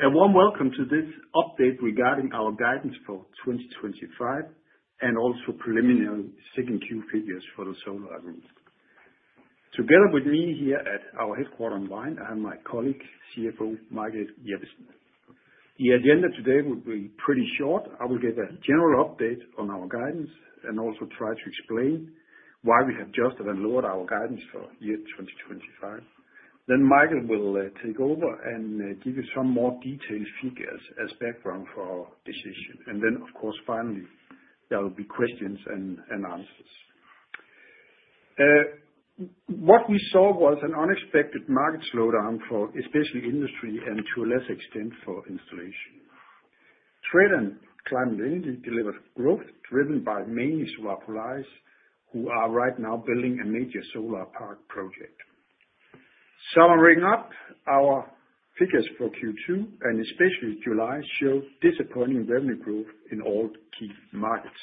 A warm welcome to this update regarding our Guidance for 2025 and also Preliminary Second-Quarter Figures for the Solar Agreement. Together with me here at our headquarters in Vienna, I have my colleague, CFO Michael Jeppesen. The agenda today will be pretty short. I will give a general update on our guidance and also try to explain why we have just even lowered our guidance for year 2025. Then Michael will take over and give you some more detailed figures as background for this issue. Finally, there will be questions and answers. What we saw was an unexpected market slowdown for especially industry and to a lesser extent for installation. Sweden's climate energy delivered growth driven by mainly Solar Polaris, who are right now building a major solar park project. Summarizing up, our figures for Q2 and especially July show disappointing revenue growth in all key markets.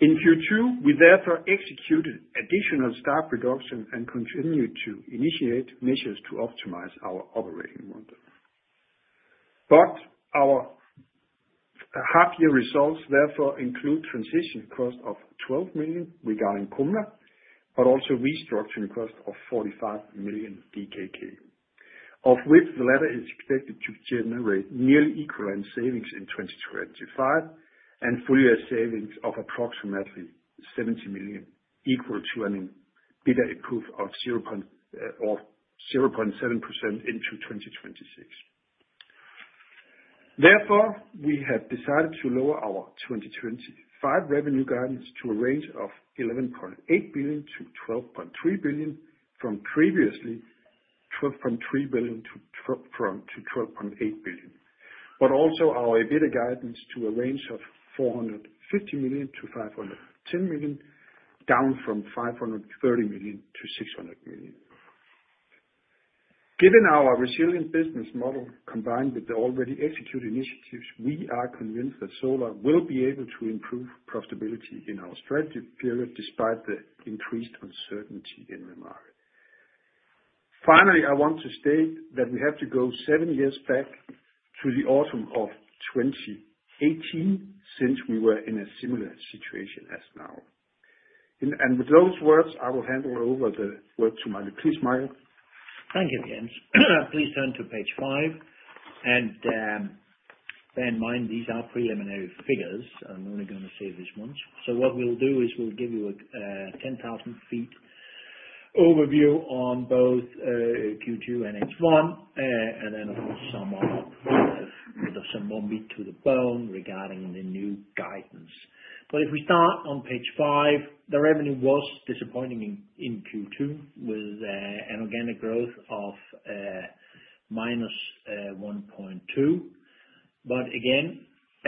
In Q2, we therefore executed additional staff reduction and continued to initiate measures to optimize our operating model. Our half-year results therefore include transition costs of 12 million regarding Kumla, but also restructuring costs of 45 million DKK, of which the latter is expected to generate nearly equivalent savings in 2025 and fully savings of approximately 70 million, equal to an improvement of 0.7% into 2026. Therefore, we have decided to lower our 2025 revenue guidance to a range of 11.8 billion-12.3 billion, from previously 12.3 billion-12.8 billion. Also, our EBITDA guidance to a range of 450 million-510 million, down from 530 million-600 million. Given our resilient business model combined with the already executed initiatives, we are convinced that Solar will be able to improve profitability in our strategic period despite the increased uncertainty in the market. Finally, I want to state that we have to go seven years back to the autumn of 2018 since we were in a similar situation as now. With those words, I will hand over the word to my please, Michael. Thank you, James. Please turn to page five. Bear in mind, these are preliminary figures. I'm only going to say this once. What we'll do is give you a 10,000 feet overview on both Q2 and H1, and then some more meat to the bone regarding the new guidance. If we start on page five, the revenue was disappointing in Q2 with an organic growth of -1.2%. Bear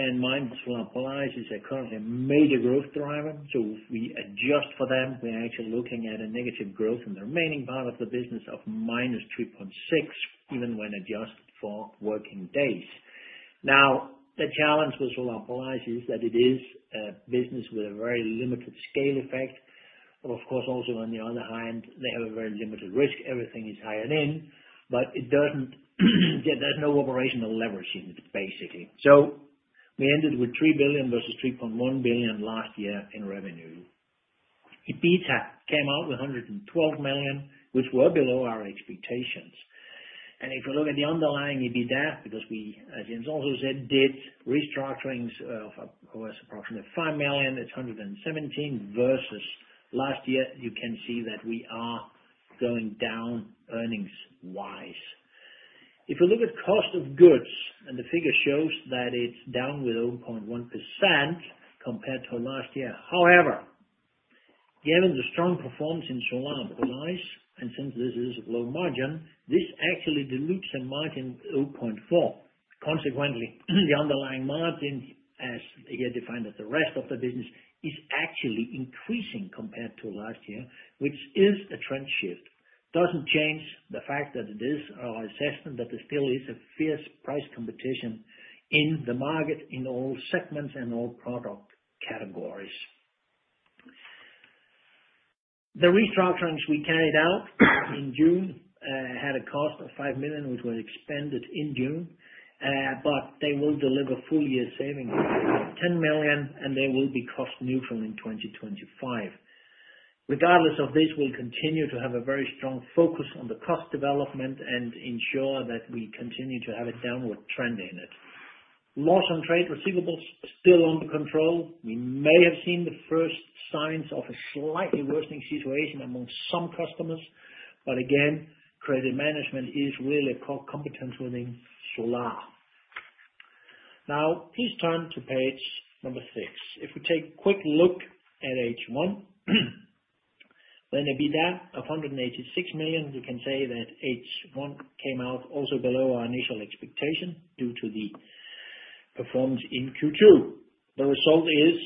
in mind, Solar Polaris, which is currently a major growth driver. If we adjust for them, we're actually looking at a negative growth in the remaining part of the business of -3.6%, even when adjusted for working days. The challenge with Solar Polaris is that it is a business with a very limited scale effect. Of course, also on the other hand, they have a very limited risk. Everything is higher than, but it doesn't get that no operational leverage in it, basically. We ended with 3 billion versus 3.1 billion last year in revenue. EBITDA came out with 112 million, which was below our expectations. If we look at the underlying EBITDA, because we, as James also said, did restructuring of approximately 5 million, it's 117 million versus last year, you can see that we are going down earnings-wise. If we look at cost of goods, the figure shows that it's down 0.1% compared to last year. However, given the strong performance in Solar Polaris, and since this is a low margin, this actually dilutes the margin 0.4%. Consequently, the underlying margin, as you define at the rest of the business, is actually increasing compared to last year, which is a trend shift. It doesn't change the fact that it is our assessment that there still is a fierce price competition in the market in all segments and all product categories. The restructurings we carried out in June had a cost of 5 million, which was expended in June, but they will deliver full year savings of 10 million, and they will be cost neutral in 2025. Regardless of this, we'll continue to have a very strong focus on the cost development and ensure that we continue to have a downward trend in it. Loss on trade receivables is still under control. We may have seen the first signs of a slightly worsening situation among some customers. Credit management is really a core competence within Solar. Please turn to page number six. If we take a quick look at H1, with EBITDA of 186 million, you can say that H1 came out also below our initial expectation due to the performance in Q2. The result is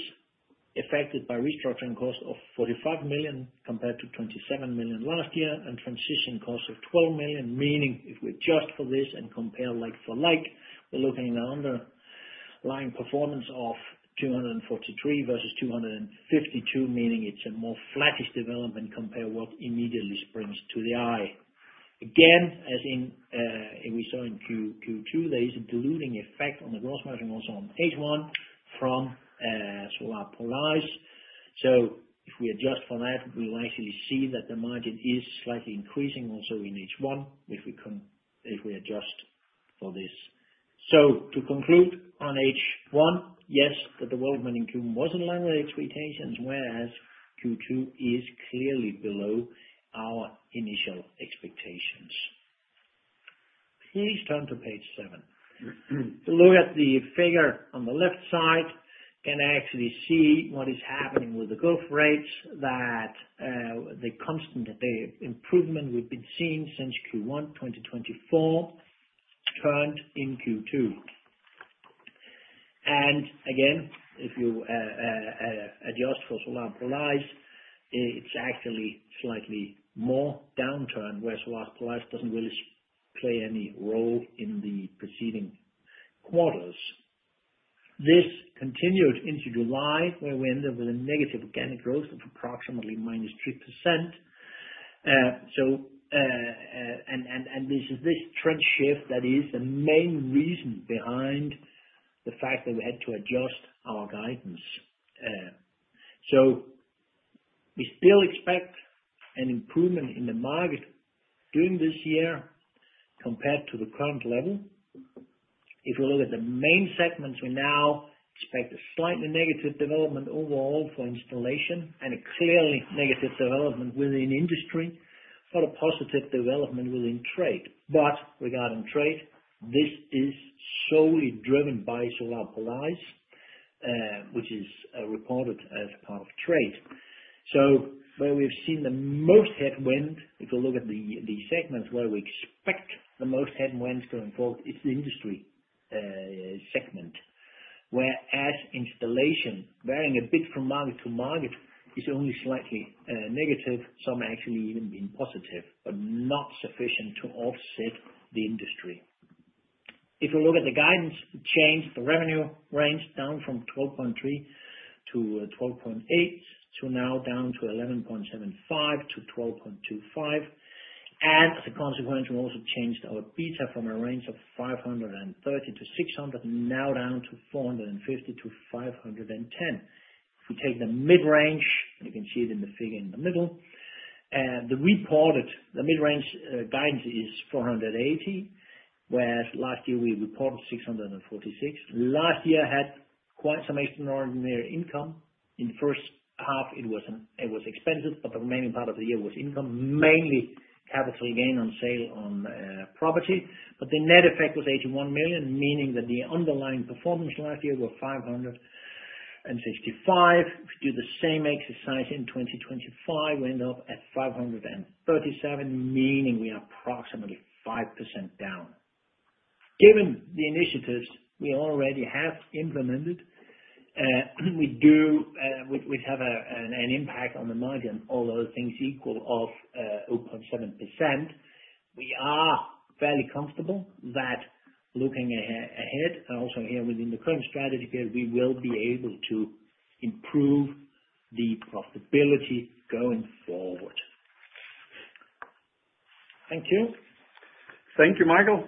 affected by restructuring cost of 45 million compared to 27 million last year and transition cost of 12 million, meaning if we adjust for this and compare like for like, we're looking at an underlying performance of 243 million versus 252 million, meaning it's a more flattish development compared to what immediately springs to the eye. Again, as we saw in Q2, there is a diluting effect on the gross margin also on H1 from Solar Polaris. If we adjust for that, we will actually see that the margin is slightly increasing also in H1 if we adjust for this. To conclude, on H1, yes, the development in Q1 was in line with expectations, whereas Q2 is clearly below our initial expectations. Please turn to page seven. To look at the figure on the left side, you can actually see what is happening with the growth rates, the constant improvement we've been seeing since Q1 2024 turned in Q2. If you adjust for Solar Polaris, it's actually slightly more downturn where Solar Polaris doesn't really play any role in the preceding quarters. This continued into July where we ended with a negative organic growth of approximately -3%. This trend shift is the main reason behind the fact that we had to adjust our guidance. We still expect an improvement in the market during this year compared to the current level. If we look at the main segments, we now expect a slightly negative development overall for installation and a clearly negative development within industry for the positive development within trade. Regarding trade, this is solely driven by Solar Polaris, which is reported as part of trade. Where we've seen the most headwind, if you look at the segments where we expect the most headwinds to unfold, it's the industry segment, whereas installation, varying a bit from market to market, is only slightly negative. Some actually even being positive, but not sufficient to offset the industry. If we look at the guidance, it changed the revenue range down from 12.3 billion-12.8 billion to now down to 11.75 billion-12.25 billion. As a consequence, we also changed our EBITDA from a range of 530 million-600 million, now down to 450 million-510 million. If we take the mid-range, and you can see it in the figure in the middle, the reported mid-range guidance is 480 million, whereas last year we reported 646 million. Last year had quite some extraordinary income. In the first half, it was expensive, but the remaining part of the year was income, mainly capital gain on sale on property. The net effect was 81 million, meaning that the underlying performance last year was 565 million. If we do the same exercise in 2025, we end up at 537 million, meaning we are approximately 5% down. Given the initiatives we already have implemented, we do have an impact on the margin and all other things equal of 0.7%. We are fairly comfortable that looking ahead and also here within the current strategy because we will be able to improve the profitability going forward. Thank you. Thank you, Michael.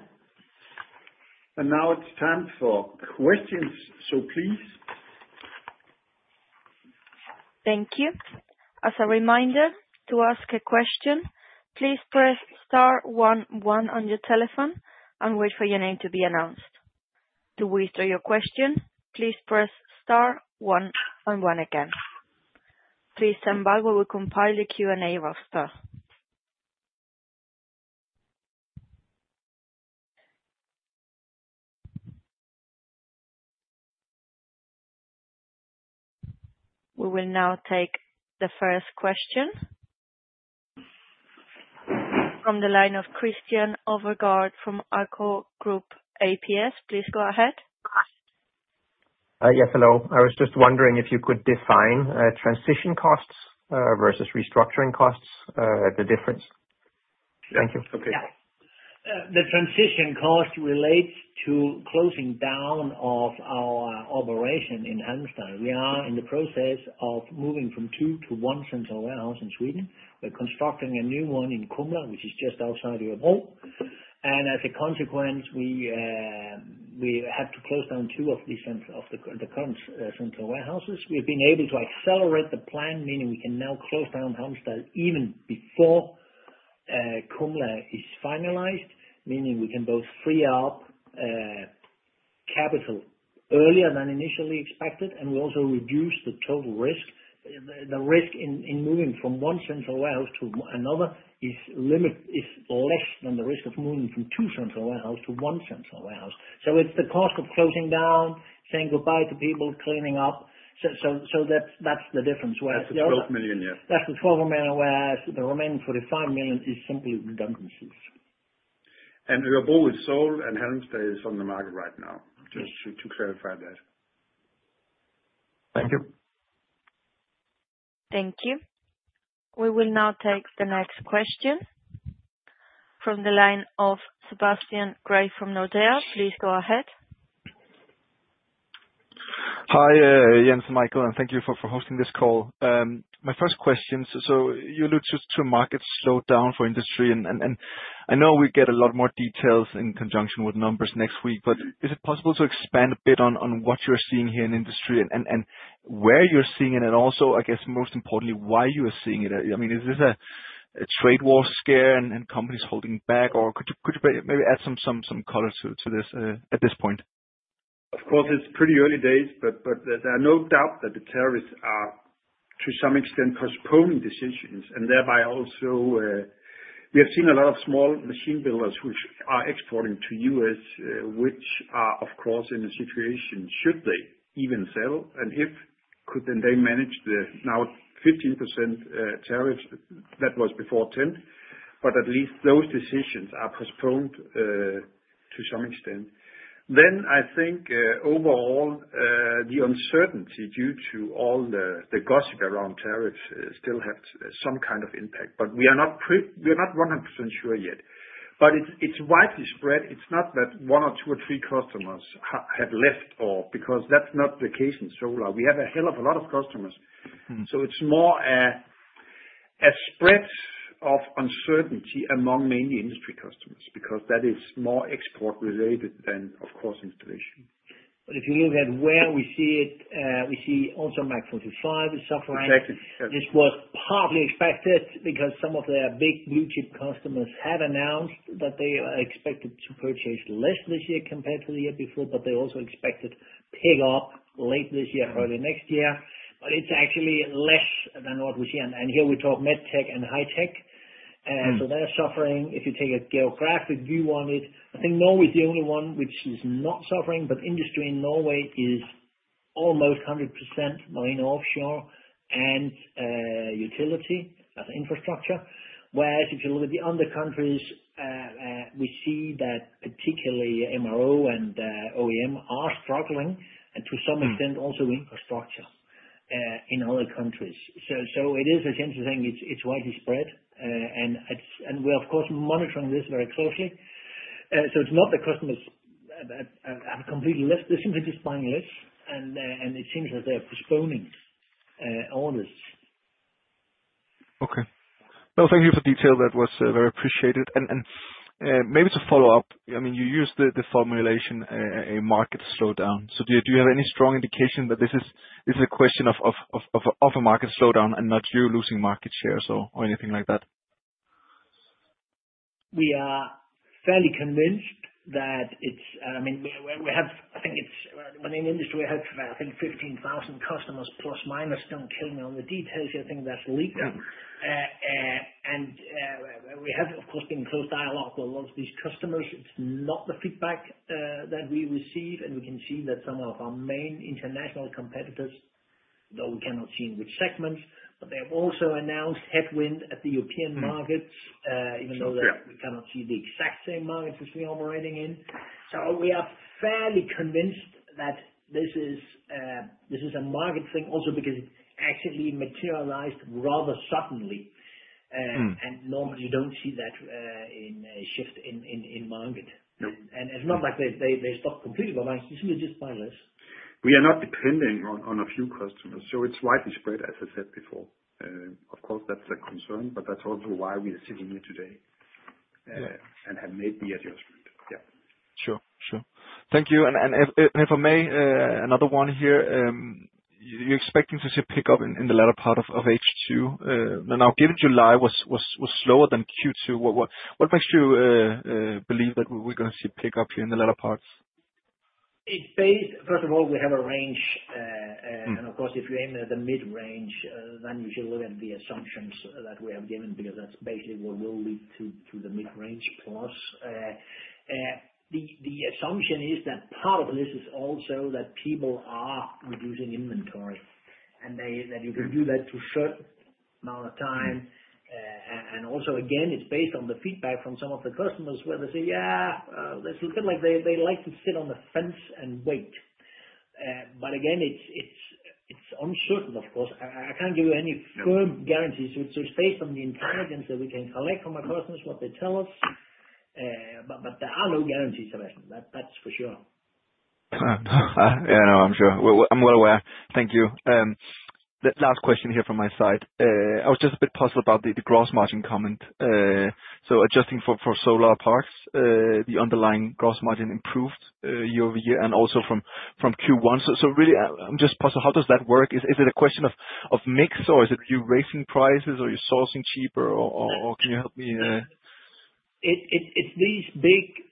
Now it's time for questions, so please. Thank you. As a reminder, to ask a question, please press star one one on your telephone and wait for your name to be announced. To withdraw your question, please press star one one one again. Please stand by while we compile the Q&A roster. We will now take the first question from the line of Christian Overgaard from ACCO Group ApS. Please go ahead. Yes, hello. I was just wondering if you could define transition costs versus restructuring costs, the difference. Thank you. Okay. Yeah. The transition cost relates to closing down of our operation in Halmstad. We are in the process of moving from two to one central warehouse in Sweden. We're constructing a new one in Kumla, which is just outside Europe. As a consequence, we have to close down two of the central warehouses. We've been able to accelerate the plan, meaning we can now close down Halmstad even before Kumla is finalized, meaning we can both free up capital earlier than initially expected, and we also reduce the total risk. The risk in moving from one central warehouse to another is less than the risk of moving from two central warehouses to one central warehouse. It's the cost of closing down, saying goodbye to people, cleaning up. That's the difference. That's the 12 million, yes. That's the 12 million, whereas the remaining 45 million is simply redundancies. Urobo is sold, and Halmstad is on the market right now, just to clarify that. Thank you. Thank you. We will now take the next question from the line of Sebastian Grave from Nordea. Please go ahead. Hi, Jens and Michael, and thank you for hosting this call. My first question, you alluded to a market slowdown for industry, and I know we get a lot more details in conjunction with numbers next week. Is it possible to expand a bit on what you're seeing here in industry and where you're seeing it? I guess most importantly, why you are seeing it? Is this a trade war scare and companies holding back, or could you maybe add some colors to this at this point? Of course, it's pretty early days, but there's no doubt that the tariffs are to some extent postponing decisions. Thereby also, we have seen a lot of small machine builders who are exporting to the U.S., which are, of course, in a situation should they even sell. If they could, then they manage the now 15% tariffs that was before 10%. At least those decisions are postponed to some extent. I think overall, the uncertainty due to all the gossip around tariffs still has some kind of impact. We are not 100% sure yet, but it's widely spread. It's not that one or two or three customers have left because that's not the case in Solar. We have a hell of a lot of customers, so it's more a spread of uncertainty among mainly industry customers because that is more export-related than, of course, installation. If you look at where we see it, we see also [Magnum 2.5] is suffering. Exactly. This was partly expected because some of their big blue-chip customers have announced that they are expected to purchase less this year compared to the year before. They also expect it to pick up late this year, early next year. It's actually less than what we see. Here we talk medtech and high tech, and so they're suffering. If you take a geographic view on it, I think Norway is the only one which is not suffering, but industry in Norway is almost 100% marine offshore and utility as an infrastructure. Whereas if you look at the other countries, we see that particularly MRO and OEM are struggling and to some extent also infrastructure in other countries. It is, as Jens was saying, it's widely spread, and we're, of course, monitoring this very closely. It's not that customers have completely left this and they're just buying less. It seems as they're postponing all this. Thank you for the detail. That was very appreciated. Maybe to follow up, I mean, you use the formulation a market slowdown. Do you have any strong indication that this is a question of a market slowdown and not you losing market shares or anything like that? We are fairly convinced that it's, I mean, we have, I think it's running an industry. We had, I think, 15,000 customers plus minus. Don't kill me on the details. I think that's legal. We have, of course, been in close dialogue with a lot of these customers. It's not the feedback that we receive, and we can see that some of our main international competitors, though we cannot see in which segments, have also announced headwind at the European markets, even though they cannot see the exact same markets as we are operating in. We are fairly convinced that this is a market thing also because it actually materialized rather suddenly. Normally, you don't see that in a shift in market. It's not like they stopped completely, but I think they just buy less. We are not depending on a few customers. It's widely spread, as I said before. Of course, that's a concern, but that's also why we are sitting here today and have made the adjustment. Thank you. If I may, another one here. You're expecting to see a pickup in the latter part of H2. Now, given July was slower than Q2, what makes you believe that we're going to see a pickup here in the latter parts? In phase, first of all, we have a range. Of course, if you enter the mid-range, then you should look at the assumptions that we have given because that's basically what will lead to the mid-range plus. The assumption is that part of this is also that people are reducing inventory, and you can do that to a certain amount of time. Also, it's based on the feedback from some of the customers where they say, "Yeah, it's a bit like they like to sit on the fence and wait." It is uncertain, of course. I can't give you any firm guarantees. It's based on the intelligence that we can collect from our customers, what they tell us. There are no guarantees about that, that's for sure. I'm well aware. Thank you. The last question here from my side. I was just a bit puzzled about the gross margin comment. Adjusting for solar parks, the underlying gross margin improved year over year and also from Q1. I'm just puzzled. How does that work? Is it a question of mix or is it you raising prices or you're sourcing cheaper or can you help me? It's these big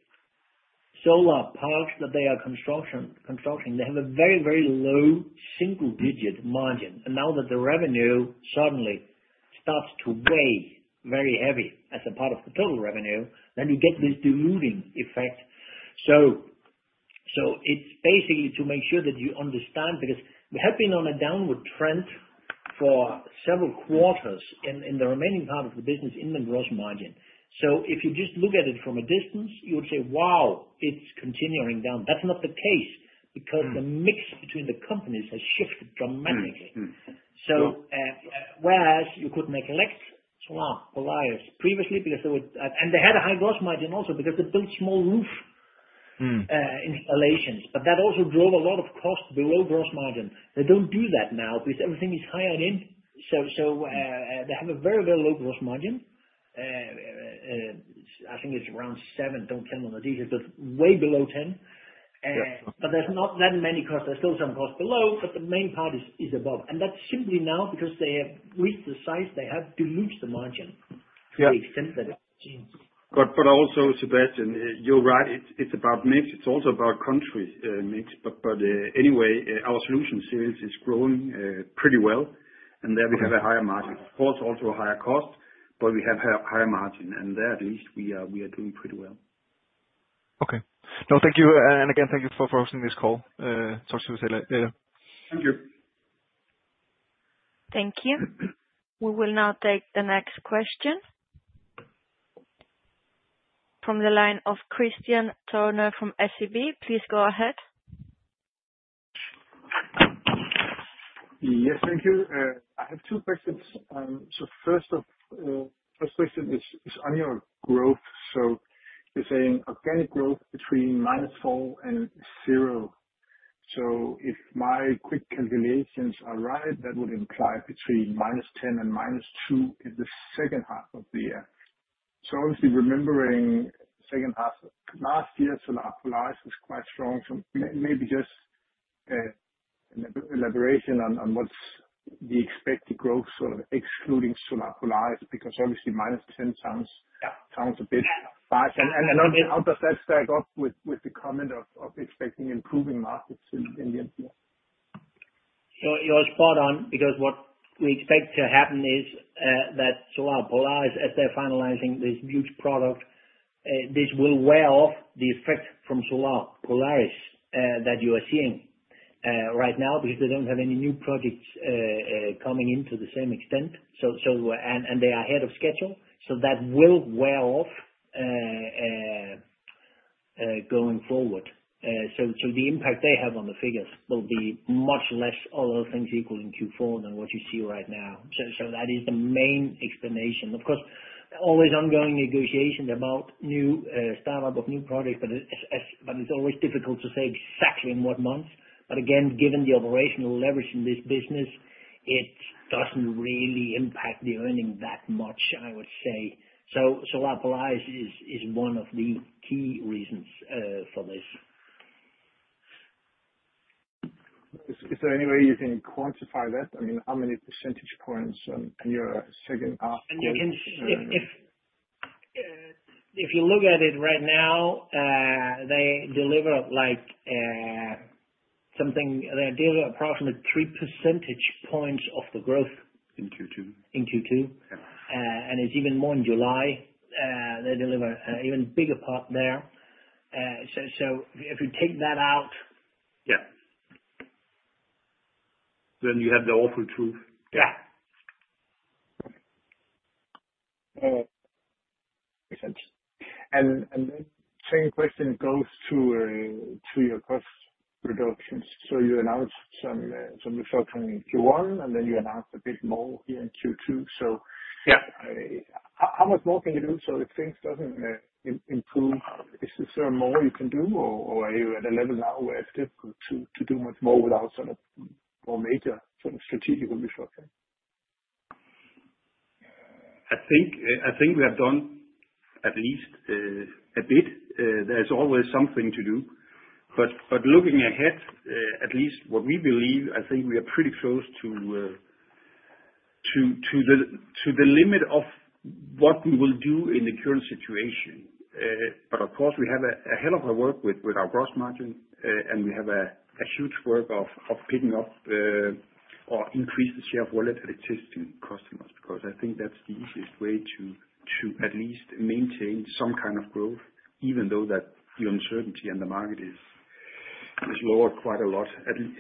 solar parks that they are constructing. They have a very, very low single-digit margin. Now that the revenue suddenly starts to weigh very heavy as a part of the total revenue, you get this diluting effect. It's basically to make sure that you understand because we have been on a downward trend for several quarters in the remaining part of the business in the gross margin. If you just look at it from a distance, you would say, "Wow, it's continuing down." That's not the case because the mix between the companies has shifted dramatically. Whereas you couldn't collect Solar Polaris previously because they had a high gross margin also because they built small roof installations, that also drove a lot of costs below gross margin. They don't do that now because everything is higher than. They have a very, very low gross margin. I think it's around 7%. Don't tell me on the details. It's way below 10%. There's not that many costs. There's still some costs below, but the main part is above. That's simply now because they have reached the size, they have diluted the margin to the extent that it's been. Sebastian, you're right. It's about mix. It's also about country mix. Our solution series is growing pretty well, and there we have a higher margin. Of course, also a higher cost, but we have a higher margin. There, at least, we are doing pretty well. No, thank you. Thank you for hosting this call. Talk to you later. Thank you. Thank you. We will now take the next question from the line of Christian Thalin from SEB. Please go ahead. Yes, thank you. I have two questions. The first question is on your growth. You're saying organic growth between -4% and 0%. If my quick calculations are right, that would imply between -10% and -2% in the second half of the year. Obviously, remembering the second half last year, Solar Polaris was quite strong. Maybe just an elaboration on what's the expected growth sort of excluding Solar Polaris because obviously -10% sounds a bit high. How does that stack up with the comment of expecting improving markets in the? You're spot on because what we expect to happen is that Solar Polaris, as they're finalizing this huge project, this will wear off the effect from Solar Polaris that you are seeing right now because they don't have any new projects coming in to the same extent. They are ahead of schedule. That will wear off going forward. The impact they have on the figures will be much less, all other things equal, in Q4 than what you see right now. That is the main explanation. Of course, there are always ongoing negotiations about new startup of new projects, but it's always difficult to say exactly in what months. Again, given the operational leverage in this business, it doesn't really impact the earning that much, I would say. Solar Polaris is one of the key reasons for this. Is there any way you can quantify that? I mean, how many percentage points in your second half? If you look at it right now, they deliver like something they approximate 3% of the growth. In Q2. In Q2, it's even more in July. They deliver an even bigger part there. If you take that out. Yeah, you had the awful truth. Yeah. The same question goes to your cost reductions. You announced some restructuring in Q1, and then you announced a bit more here in Q2. How much more can you do if things don't improve? Is there more you can do, or are you at a level now where it's difficult to do much more without more major strategic moves? I think we have done at least a bit. There's always something to do. Looking ahead, at least what we believe, I think we are pretty close to the limit of what we will do in the current situation. Of course, we have a hell of a work with our gross margin, and we have a huge work of picking up or increasing the share of wallet at existing customers because I think that's the easiest way to at least maintain some kind of growth, even though the uncertainty in the market is lowered quite a lot, at least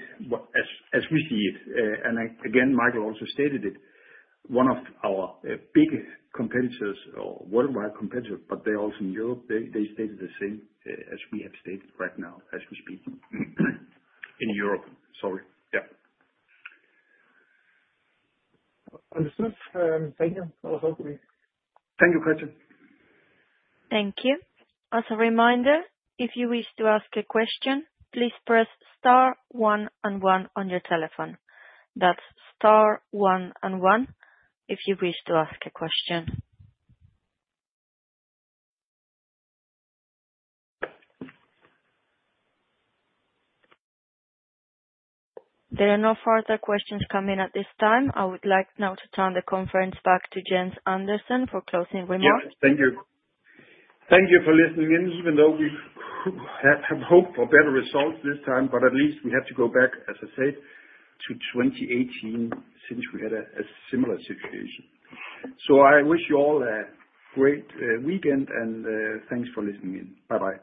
as we see it. Michael also stated it. One of our biggest competitors or worldwide competitors, but they're also in Europe, stated the same as we have stated right now as we speak in Europe. Sorry. Yeah. Understood. Thank you. That was helpful. Thank you, Christian. Thank you. As a reminder, if you wish to ask a question, please press star one and one on your telephone. That's star one and one if you wish to ask a question. There are no further questions coming at this time. I would like now to turn the conference back to Jens Andersen for closing remarks. Thank you. Thank you for listening in, even though we have hoped for better results this time. At least we had to go back, as I said, to 2018 since we had a similar situation. I wish you all a great weekend, and thanks for listening in. Bye-bye.